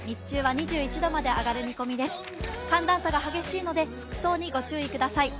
寒暖差が激しいので服装にご注意ください。